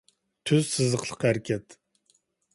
تۈز سىزىقلىق ھەرىكەت